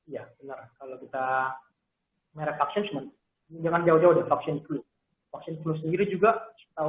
iya benar kalau kita merek vaksin jangan jauh jauh dari vaksin flu